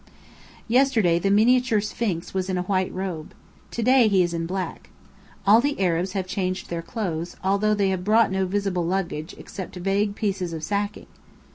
Yesterday the miniature Sphinx was in a white robe. To day he is in black. All the Arabs have changed their clothes, although they have brought no visible luggage except vague pieces of sacking.